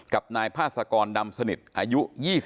กับนายพาสกรดำสนิทอายุ๒๒